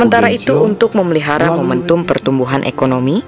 sementara itu untuk memelihara momentum pertumbuhan ekonomi